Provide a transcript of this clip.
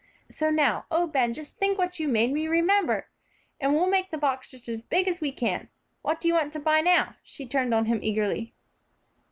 "So now, oh, Ben, just think what you've made me remember! And we'll make the box just as big as we can. What do you want to buy now?" She turned on him eagerly.